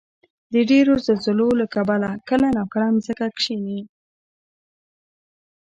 د ډېرو زلزلو له کبله کله ناکله ځمکه کښېني.